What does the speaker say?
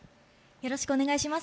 よろしくお願いします。